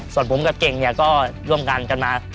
ส่วนผมกับเกงก็ร่วมกันกันมา